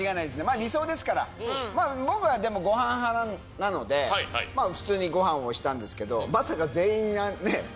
理想ですから、僕はでもごはん派なので、普通にごはん押したんですけど、まさか全員がね。